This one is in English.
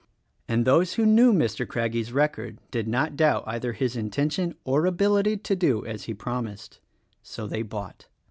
And those who knew Mr. Craggie's record did not doubt either his intention or ability to do as he promised. So they bought.